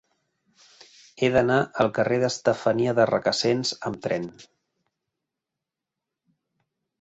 He d'anar al carrer d'Estefania de Requesens amb tren.